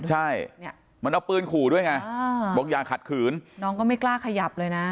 ใช่เนี่ยมันเอาปืนขู่ด้วยไงบอกอย่าขัดขืนน้องก็ไม่กล้าขยับเลยนะ